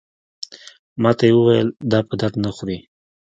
ماته یې وویل دا په درد نه خوري.